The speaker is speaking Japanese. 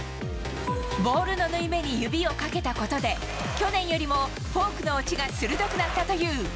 ボールの縫い目に指をかけたことで、去年よりもフォークの落ちが鋭くなったという。